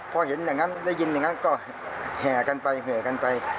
พอเห็นอย่างนั้นได้ยินอย่างนั้นก็แห่กันไปแห่กันไป